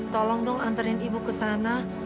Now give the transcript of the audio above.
tolong dong antarin ibu ke sana